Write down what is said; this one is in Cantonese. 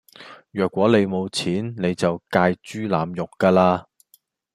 若果你冇錢你就界豬腩肉架啦